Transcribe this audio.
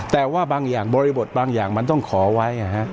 แต่ว่าบางอย่างบริบทบางอย่างมันต้องขอไว้